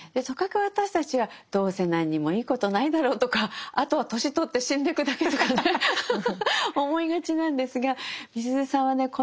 とかく私たちはどうせ何にもいいことないだろうとかあとは年取って死んでくだけとかね思いがちなんですがみすゞさんはね